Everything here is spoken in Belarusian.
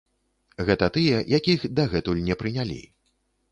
Гэта тыя, якіх дагэтуль не прынялі.